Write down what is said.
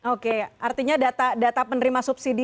oke artinya data penerima subsidi